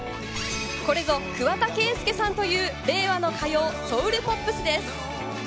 これぞ桑田佳祐さんという、令和の歌謡ソウルポップスです。